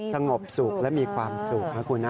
สงบสุขและมีความสุขนะคุณนะ